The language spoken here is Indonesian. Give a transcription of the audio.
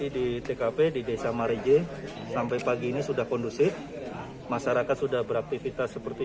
di tkp di desa marije sampai pagi ini sudah kondusif masyarakat sudah beraktivitas seperti